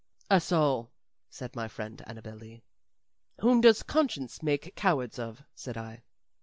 "Us all," said my friend Annabel Lee. "Whom does conscience make cowards of?" said I.